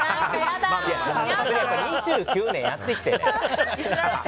２９年やってきてね。